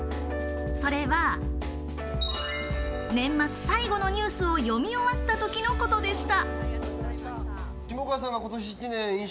それは年末最後のニュースを読み終わったときのことでした。